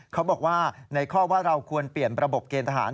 เขาบอกว่าในข้อว่าเราควรเปลี่ยนระบบเกณฑหาร